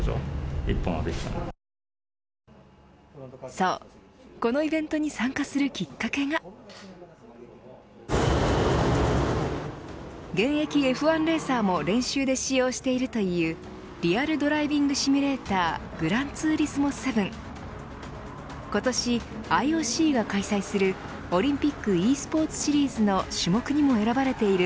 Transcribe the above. そう、このイベントに参加するきっかけが現役Ｆ１レーサーも練習で使用しているというリアルドライビングシミュレーターグランツーリスモ７今年ＩＯＣが開催するオリンピックｅスポーツシリーズの種目にも選ばれている